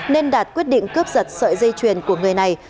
nên đạt quyết định cướp giật sợi dây chuyền của người này